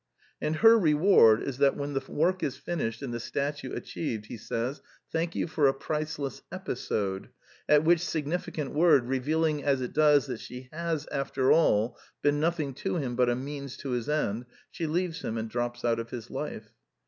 The Last Four Plays I77 And her reward is that when the work is fin ished and the statue achieved, he says Thank you for a priceless episode," at which significant word, revealing as it does that she has, after all, been nothing to him but a means to his end, she leaves him and drops out of his life.